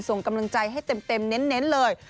ส่งกำลังใจให้เต็มเน้นเลย